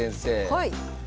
はい。